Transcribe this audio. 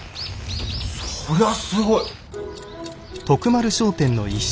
そりゃすごい。